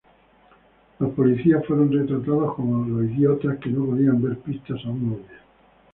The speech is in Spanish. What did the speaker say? Los policías fueron retratados como los idiotas que no podían ver pistas aún obvias.